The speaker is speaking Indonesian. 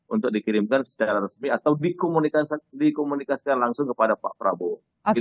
untuk dikirimkan secara resmi atau dikomunikasikan langsung kepada pak prabowo